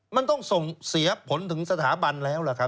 มันต้องส่งเสียผลถึงสถาบันแล้วล่ะครับ